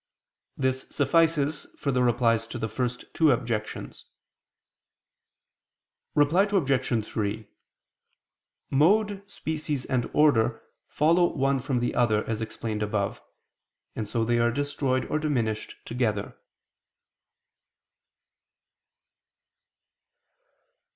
This suffices for the Replies to the first two Objections. Reply Obj. 3: Mode, species and order follow one from the other, as explained above: and so they are destroyed or diminished together.